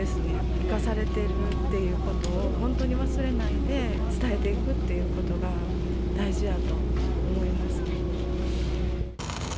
生かされてるっていうことを本当に忘れないで、伝えていくっていうことが大事やと思います。